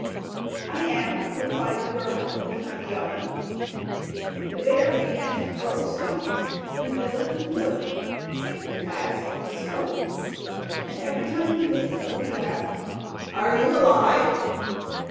"I am," replied the girl, from behind the oven. The bear began to throw stones and billets of wood, thick and fast from the stove, and every time he did so, he asked: "Are you alive?"